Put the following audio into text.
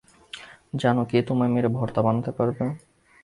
জানো, কে তোমায় মেরে ভর্তা বানাতে পারবে?